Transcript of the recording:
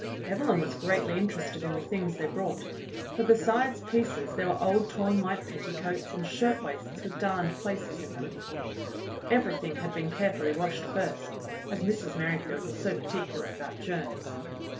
Evelyn was greatly interested in the things they brought, for besides pieces there were old torn white petticoats and shirt waists with darned places in them. 44 THE BLUE AUNT Everything had been carefully washed first, as Mrs. Merrifield was so particular about germs.